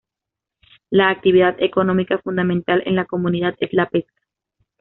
La actividad económica fundamental en la comunidad es la pesca.